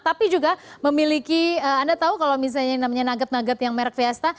tapi juga memiliki anda tahu kalau misalnya yang namanya nugget nugget yang merek fiesta